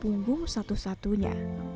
tapi punggung satu satunya